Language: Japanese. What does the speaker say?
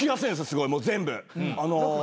すごい全部。